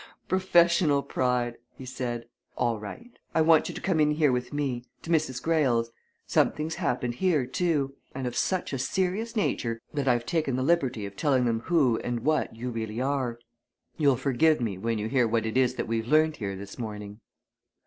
"Professional pride!" he said. "All right. I want you to come in here with me to Mrs. Greyle's. Something's happened here, too. And of such a serious nature that I've taken the liberty of telling them who and what you really are. You'll forgive me when you hear what it is that we've learnt here this morning."